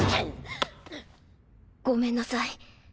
ごめんなさい。